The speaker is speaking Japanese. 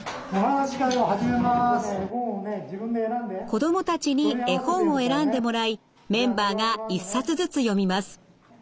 子どもたちに絵本を選んでもらいメンバーが１冊ずつ読みます。